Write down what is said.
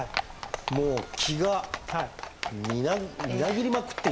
もう「気」がみなぎりまくっていて。